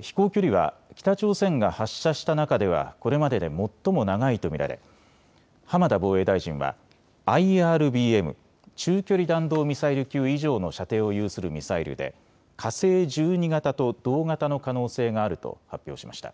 飛行距離は北朝鮮が発射した中ではこれまでで最も長いと見られ、浜田防衛大臣は、ＩＲＢＭ・中距離弾道ミサイル級以上の射程を有するミサイルで火星１２型と同型の可能性があると発表しました。